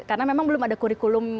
karena memang belum ada kurikulum